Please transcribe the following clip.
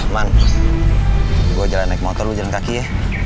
man gue jalan naik motor gue jalan kaki ya